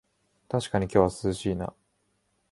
たしかに今日は涼しいな